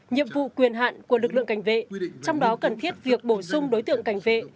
nhiệm vụ quyền hạn của lực lượng cảnh vệ trong đó cần thiết việc bổ sung đối tượng cảnh vệ